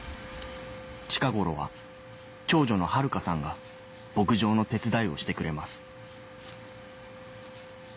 近頃は長女の春花さんが牧場の手伝いをしてくれます